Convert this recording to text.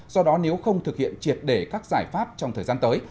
do đó nếu không thực hiện triệt để các giải pháp trong thời gian tới